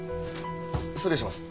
失礼します。